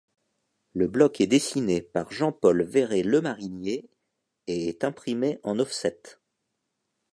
Le bloc est dessiné par Jean-Paul Véret-Lemarinier et est imprimé en offset.